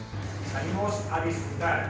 kita keluar nanti bersenang senang